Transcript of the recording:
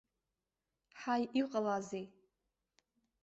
Ҳаи, иҟалазеи?